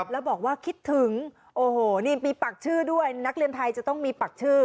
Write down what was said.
แล้วบอกว่าคิดถึงโอ้โหนี่มีปักชื่อด้วยนักเรียนไทยจะต้องมีปักชื่อ